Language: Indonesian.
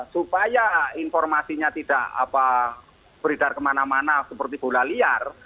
supaya informasinya tidak beredar kemana mana seperti bola liar